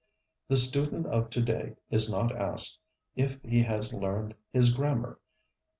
The student of to day is not asked if he has learned his grammar.